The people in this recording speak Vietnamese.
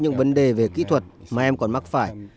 những vấn đề về kỹ thuật mà em còn mắc phải